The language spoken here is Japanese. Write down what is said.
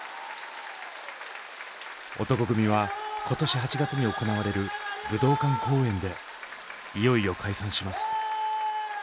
男闘呼組は今年８月に行われる武道館公演でいよいよ解散します。